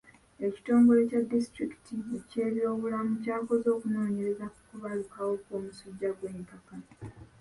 Ekitongole kya disitulikiti eky'ebyobulamu kyakoze okunoonyereza ku kubalukawo kw'omusujja gw'enkaka.